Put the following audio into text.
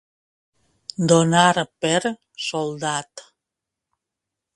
Donar per soldat.